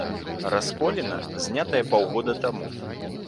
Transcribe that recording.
Расколіна, знятая паўгода таму.